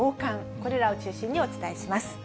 これらを中心にお伝えします。